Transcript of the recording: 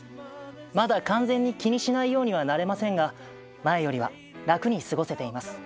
まだ完全に気にしないようにはなれませんが前よりは楽に過ごせています。